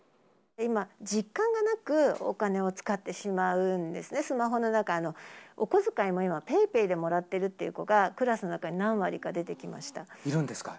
今、実感がなくお金を使ってしまうんですね、スマホの中の、お小遣いも今、ＰａｙＰａｙでもらってるという子が、クラスの中に何割か出てきいるんですか？